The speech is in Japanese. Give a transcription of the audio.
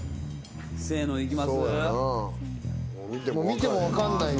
見ても分かんない。